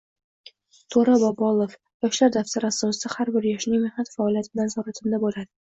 To‘ra Bobolov: “Yoshlar daftari” asosida har bir yoshning mehnat faoliyati nazoratimda bo‘ladi